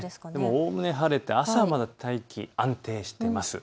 おおむね晴れて朝はまだ大気、安定しています。